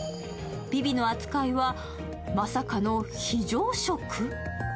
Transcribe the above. ビビの扱いはまさかの非常食？